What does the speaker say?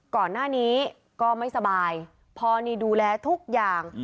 ก่อนหน้านี้ก็ไม่สบายพอนี่ดูแลทุกอย่าง